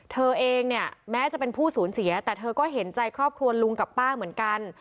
เธอเองเนี่ยแม้จะเป็นผู้สูญเสียแต่เธอก็เห็นใจครอบครัวลุงกับป้าเหมือนกัน